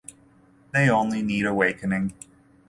They only need awakening.